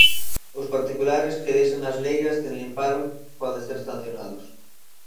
Os particulares que deixen as leiras sen limpar poden ser sancionados.